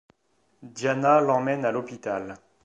Diana l'emmène à l'hôpital.